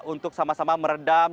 untuk sama sama meredam